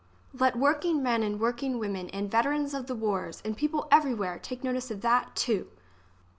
Let workingmen and working women and vet erans of the wars and business people everywhere take notice of that, too